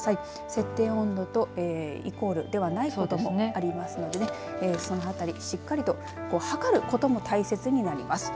設定温度とイコールではないということもありますのでそのあたりしっかりと測ることも大切になります。